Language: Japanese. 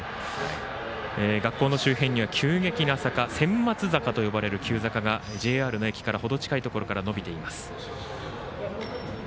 学校の周辺には急激な坂専松坂と呼ばれる坂がＪＲの駅から程近いところに伸びています。